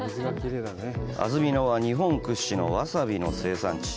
安曇野は日本屈指のわさびの生産地。